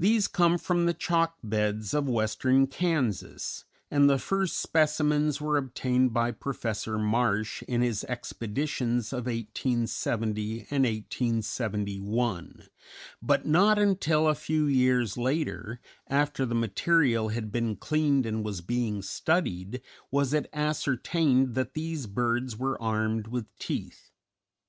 These come from the chalk beds of western Kansas, and the first specimens were obtained by Professor Marsh in his expeditions of 1870 and 1871, but not until a few years later, after the material had been cleaned and was being studied, was it ascertained that these birds were armed with teeth.